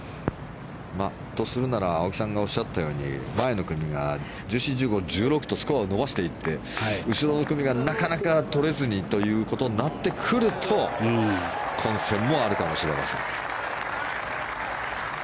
とするなら青木さんがおっしゃったように前の組が１４、１５、１６とスコアを伸ばしていって後ろの組がなかなか取れずにということになってくると混戦もあるかもしれません。